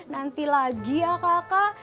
nanti lagi ya kakak